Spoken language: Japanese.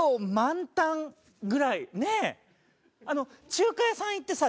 中華屋さん行ってさ